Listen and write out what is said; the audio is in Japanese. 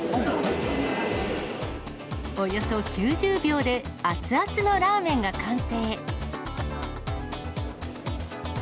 およそ９０秒で熱々のラーメンが完成。